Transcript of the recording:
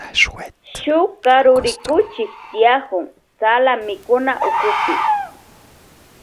Shuk karurikuchik tiyakun sala mikunawkupi.